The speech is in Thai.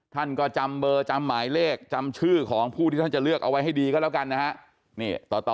ท่านก็จำเบอร์จำหมายเลขจำชื่อของผู้ที่ท่านจะเลือกเอาไว้ให้ดีก็แล้วกันนะฮะ